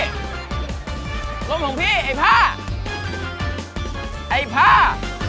ร่มของพี่ไอ้พ่า